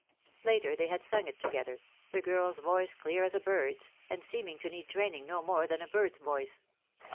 Later they had sung it together, the girl's voice clear as a bird's, and seeming to need training no more than a bird's voice.